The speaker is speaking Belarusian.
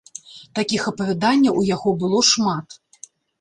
Такіх апавяданняў у яго было шмат.